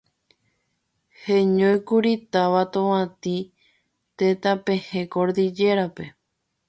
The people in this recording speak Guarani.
heñóikuri táva Tovatĩ, tetãpehẽ Cordillera-pe